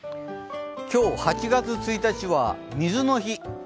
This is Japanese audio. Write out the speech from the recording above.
今日８月１日は、水の日。